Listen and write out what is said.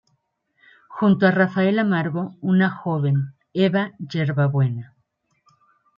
Junto a Rafael Amargo, una joven Eva Yerbabuena.